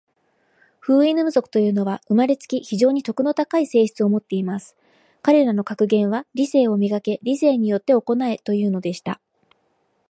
フウイヌム族というのは、生れつき、非常に徳の高い性質を持っています。彼等の格言は、『理性を磨け。理性によって行え。』というのでした。